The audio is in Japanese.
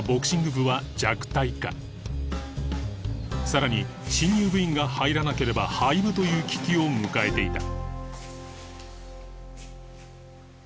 さらに新入部員が入らなければ廃部という危機を迎えていた